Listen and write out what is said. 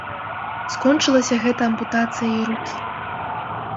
Скончылася гэта ампутацыяй рукі.